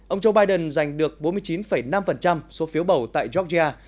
ông joe biden giành được bốn mươi chín năm số phiếu bầu tại georgia